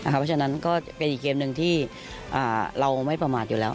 เพราะฉะนั้นก็เป็นอีกเกมหนึ่งที่เราไม่ประมาทอยู่แล้ว